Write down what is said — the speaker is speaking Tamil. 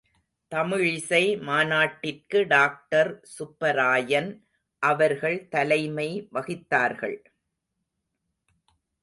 தமிழிசை மாநாட்டிற்கு டாக்டர் சுப்பராயன் அவர்கள் தலைமை வகித்தார்கள்.